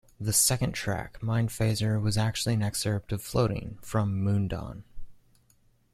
The second track, "Mindphaser", was actually an excerpt of "Floating" from "Moondawn".